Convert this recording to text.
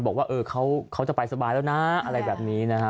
บอกว่าเขาจะไปสบายแล้วนะอะไรแบบนี้นะฮะ